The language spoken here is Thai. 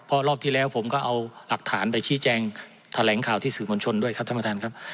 เพราะรอบที่แล้วผมก็เอาหลักฐานไปชี้แจงแถลงข่าวที่สื่อมวลชนด้วยครับท่านประธานครับ